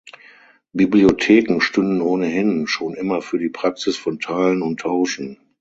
Bibliotheken stünden ohnehin „schon immer für die Praxis von Teilen und Tauschen“.